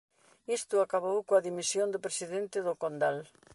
Isto acabou coa dimisión do presidente do Condal.